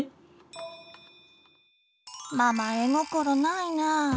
ママ絵心ないなぁ。